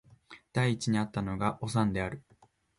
第一に逢ったのがおさんである